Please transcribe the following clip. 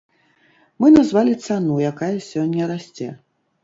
Мы назвалі цану, якая сёння расце.